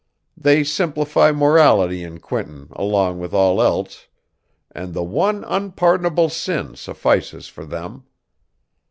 They simplify morality in Quinton along with all else, and the one unpardonable sin suffices for them.